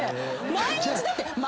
毎日だって。